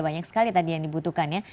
banyak sekali tadi yang dibutuhkan ya